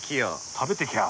「食べてきゃー！」